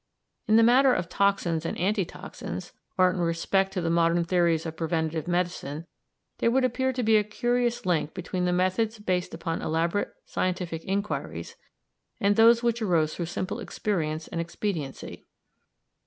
In the matter of toxins and anti toxins, or in respect to the modern theories of preventive medicine, there would appear to be a curious link between the methods based upon elaborate scientific inquiries and those which arose through simple experience and expediency.